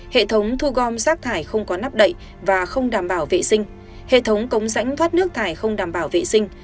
hệ thống thu gom rác thải không có nắp đậy và không đảm bảo vệ sinh hệ thống cống rãnh thoát nước thải không đảm bảo vệ sinh